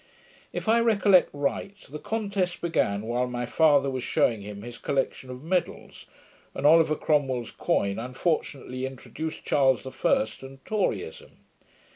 If I recollect right, the contest began while my father was shewing him his collection of medals; and Oliver Cromwell's coin unfortunately introduced Charles the First, and Toryism.